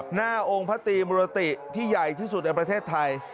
หน้าองค์พระตรีมุรติที่ใหญ่ที่สุดในประเทศไทย